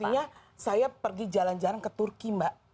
artinya saya pergi jalan jalan ke turki mbak